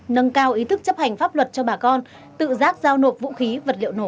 nâng cao ý thức chấp hành pháp luật cho bà con tự giác giao nộp vũ khí vật liệu nổ